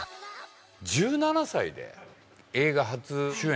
１７歳で映画初主演。